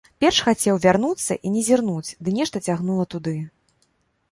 Перш хацеў вярнуцца і не зірнуць, ды нешта цягнула туды.